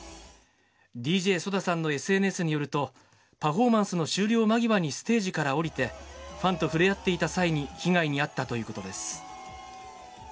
ＤＪソダさんのＳＮＳによると、パフォーマンスの終了間際にステージから降りてファンと触れ合っていた際に被害に遭ったということです。